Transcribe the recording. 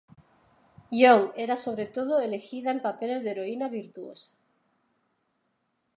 Young era sobre todo elegida en papeles de heroína virtuosa.